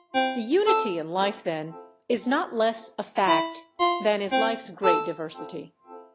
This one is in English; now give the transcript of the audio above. The unity in life, then, is not less a fact than is life's great diversity.